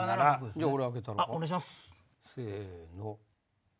じゃあ俺あけたろか？せの！